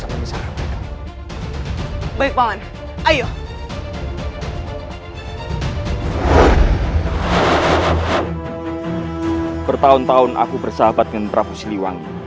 gusti siliwangi bertarung dengan gusti siliwangi